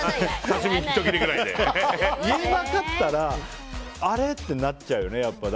言えなかったらあれ？ってなっちゃうよね。